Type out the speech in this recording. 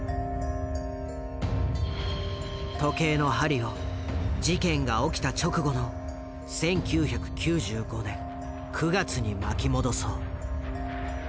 時計の針を事件が起きた直後の１９９５年９月に巻き戻そう。